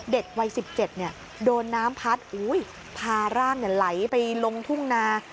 เด็กวัย๑๗โดนน้ำพัดพาร่างไหลไปลงทุ่งนา